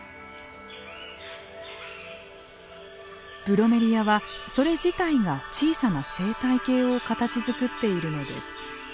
ブロメリアはそれ自体が小さな生態系を形づくっているのです。